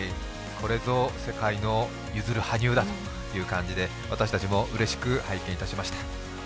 これぞ世界の羽生結弦だという感じで私たちもうれしく拝見いたしました。